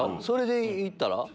それで言ったら？